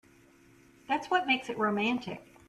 That's what makes it romantic.